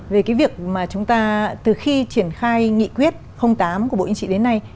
về cái việc mà chúng ta từ khi triển khai nghị quyết tám của bộ yên trị đến nay